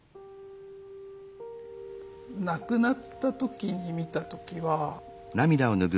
亡くなったときに見たときは。